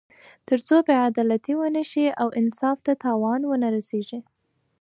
تر څو بې عدالتي ونه شي او انصاف ته تاوان ونه رسېږي.